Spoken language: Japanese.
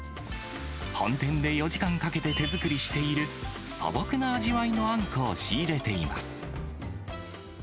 本店で４時間かけて手作りしている素朴な味わいのあんこを仕入れています。